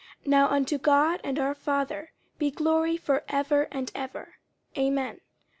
50:004:020 Now unto God and our Father be glory for ever and ever. Amen.